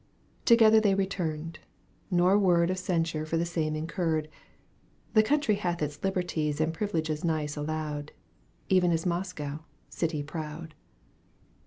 Together they returned, nor word Of censure for the same incurred ; The country hath its liberties And privileges nice allowed, Even as Moscow, city proud.